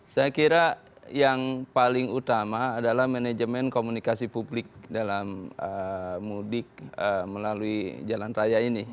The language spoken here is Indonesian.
saya kira yang paling utama adalah manajemen komunikasi publik dalam mudik melalui jalan raya ini